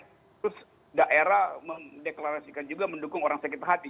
terus daerah mendeklarasikan juga mendukung orang sakit hati